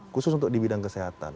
khusus untuk di bidang kesehatan